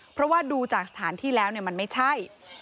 เพราะว่าดูจากสถานที่แล้วมันไม่ใช่